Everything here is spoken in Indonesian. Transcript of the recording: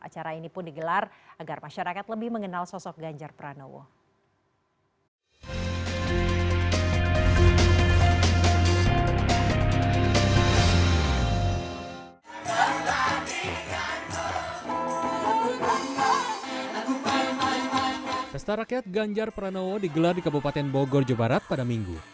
acara ini pun digelar agar masyarakat lebih mengenal sosok ganjar pranowo